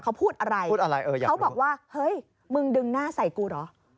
เขาพูดอะไรพูดอะไรเขาบอกว่าเฮ้ยมึงดึงหน้าใส่กูเหรอ